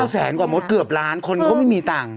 แสนกว่ามดเกือบล้านคนเขาไม่มีตังค์